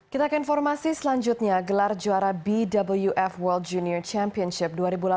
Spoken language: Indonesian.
kita ke informasi selanjutnya gelar juara bwf world junior championship dua ribu delapan belas